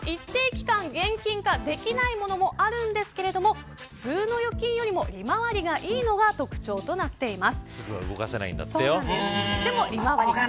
こちらは一定期間現金化できないものもあるんですけど普通の預金よりも利回りがいいのが特徴となっています。